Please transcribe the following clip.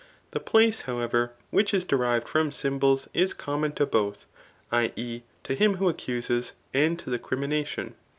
The place, however, which is derived from symbols, is common to both [i. e. to him who accuses, and to the crimination.